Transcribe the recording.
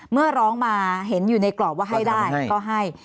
เมื่อร้องมาเห็นอยู่ในกรอบว่าให้ได้ก็ให้